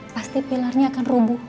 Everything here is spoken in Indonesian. pasti pilarnya akan rubuh